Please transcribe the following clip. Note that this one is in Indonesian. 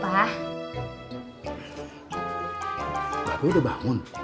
bapak udah bangun